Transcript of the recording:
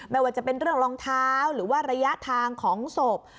ไม่ว่าจะเป็นเรื่องรองเท้าหรือว่าระยะทางของศพ